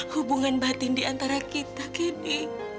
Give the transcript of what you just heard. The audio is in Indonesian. hubungan batin diantara kita kini